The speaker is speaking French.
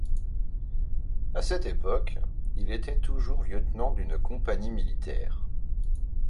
À cette époque, il était toujours lieutenant d'une compagnie militaire.